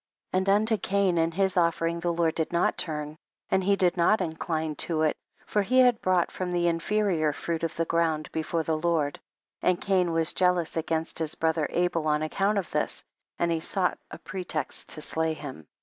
16. And unto Cain and his offer ing the Lord did not turn, and he did not incline to it, for he had brought from the inferior fruit of the ground before the Lord, and Cain was jealous against his brother Abel on account of this, and he sought a pretext to slay him.